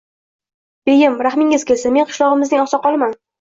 Beyim, rahmingiz kelsin, men qishlog`imizning oqsoqoliman